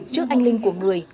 trước anh linh của người